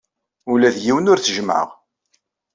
Ula d yiwen ur t-jemmɛeɣ.